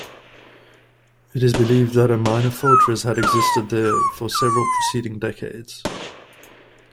It is believed that a minor fortress had existed there for several preceding decades.